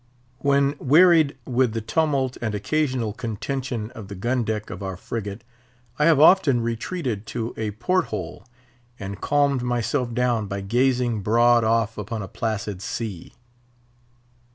When wearied with the tumult and occasional contention of the gun deck of our frigate, I have often retreated to a port hole, and calmed myself down by gazing broad off upon a placid sea.